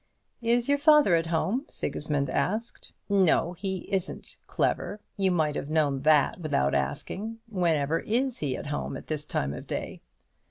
"Is your father at home?" Sigismund asked. "No, he isn't, Clever; you might have known that without asking. Whenever is he at home at this time of day?"